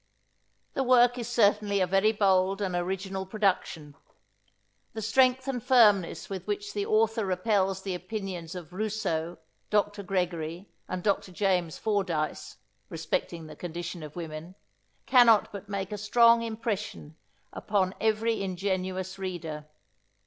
The work is certainly a very bold and original production. The strength and firmness with which the author repels the opinions of Rousseau, Dr. Gregory, and Dr. James Fordyce, respecting the condition of women, cannot but make a strong impression upon every ingenuous reader.